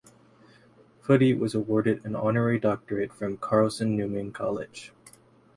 Foote was awarded an honorary doctorate from Carson-Newman College.